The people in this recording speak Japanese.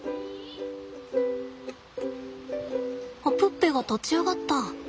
プッペが立ち上がった。